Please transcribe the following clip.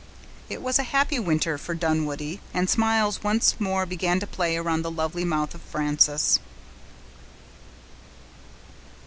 It was a happy winter for Dunwoodie, and smiles once more began to play around the lovely mouth of Frances.